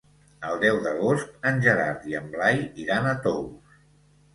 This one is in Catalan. El deu d'agost en Gerard i en Blai iran a Tous.